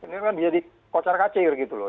ini kan jadi kocar kacir gitu loh